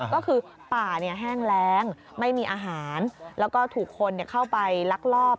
ก็คือป่าแห้งแรงไม่มีอาหารแล้วก็ถูกคนเข้าไปลักลอบ